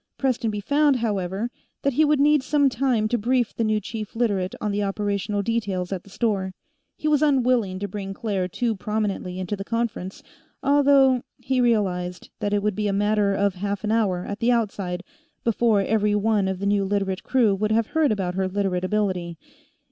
Prestonby found, however, that he would need some time to brief the new chief Literate on the operational details at the store. He was unwilling to bring Claire too prominently into the conference, although he realized that it would be a matter of half an hour, at the outside, before every one of the new Literate crew would have heard about her Literate ability.